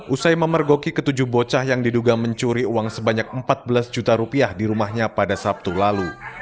usai memergoki ketujuh bocah yang diduga mencuri uang sebanyak empat belas juta rupiah di rumahnya pada sabtu lalu